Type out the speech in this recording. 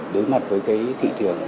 đối mặt với cái thị trường